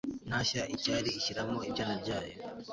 intashya icyari ishyiramo ibyana byayo